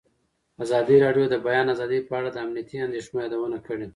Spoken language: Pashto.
ازادي راډیو د د بیان آزادي په اړه د امنیتي اندېښنو یادونه کړې.